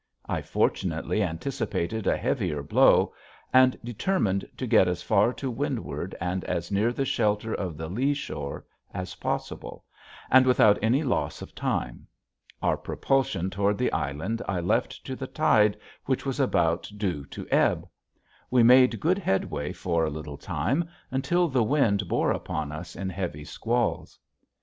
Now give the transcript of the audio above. I fortunately anticipated a heavier blow and determined to get as far to windward and as near the shelter of the lea shore as possible, and without any loss of time. Our propulsion toward the island I left to the tide which was about due to ebb. We made good headway for a little time until the wind bore upon us in heavy squalls.